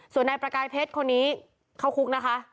ส่วนนายประกายเพชรคนนี้เข้าคุกนะคะ